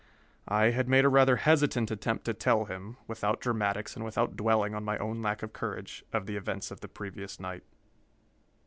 I had made a rather hesitant attempt to tell him, without dramatics and without dwelling on my own lack of courage, of the events of the previous night.